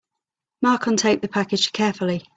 Mark untaped the package carefully.